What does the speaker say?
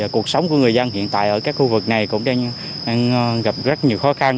cuộc sống của người dân hiện tại ở các khu vực này cũng đang gặp rất nhiều khó khăn